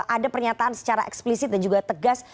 ada pernyataan secara eksplisit dan juga tegas